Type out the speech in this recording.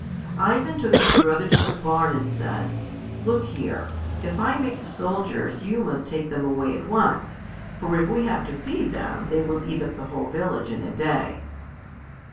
Ivan took his brother to the barn and said, "Look here, if I make the soldiers you must take them away at once, for if we have to feed them they will eat up the whole village in a day."